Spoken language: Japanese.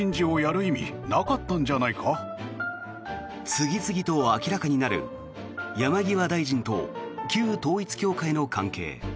次々と明らかになる山際大臣と旧統一教会の関係。